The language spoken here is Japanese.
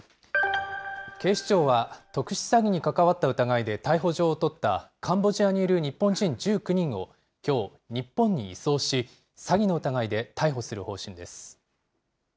警視庁は、特殊詐欺に関わった疑いで逮捕状を取ったカンボジアにいる日本人１９人をきょう、日本に移送し、詐欺の疑いで逮捕する方針です。